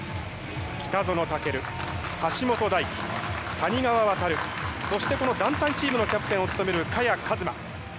北園丈琉、橋岡大樹谷川航、そして団体チームのキャプテンを務める萱和磨。